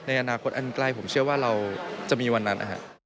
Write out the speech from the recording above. อนาคตอันใกล้ผมเชื่อว่าเราจะมีวันนั้น